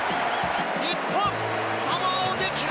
日本、サモアを撃破。